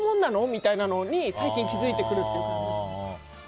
みたいなのに最近気づいてくるっていう感じです。